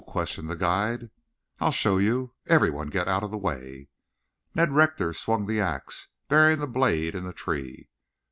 questioned the guide. "I'll show you. Everyone get out of the way." Ned Rector swung the axe, burying the blade in the tree.